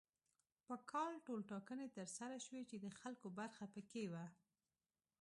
په کال ټولټاکنې تر سره شوې چې د خلکو برخه پکې وه.